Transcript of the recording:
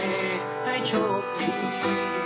ให้โชคดี